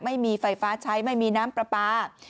ไม่มีไฟฟ้าใช้ไม่มีน้ำปลาปลา